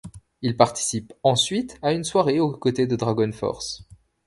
Ils participent ensuite à une soirée aux côtés de DragonForce.